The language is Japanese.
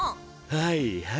はいはい。